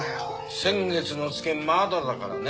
先月のツケまだだからね。